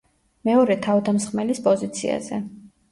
მეორე თავდამსხმელის პოზიციაზე.